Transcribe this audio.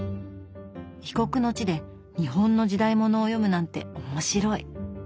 異国の地で日本の時代物を読むなんて面白い。